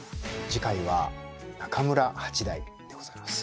次回は中村八大でございます。